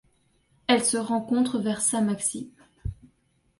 Elle se rencontre vers Şamaxı.